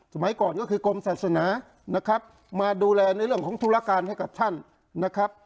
สมัยก่อนก็คือกรมศาสนานะครับมาดูแลในเรื่องของธุรการให้กับท่านนะครับ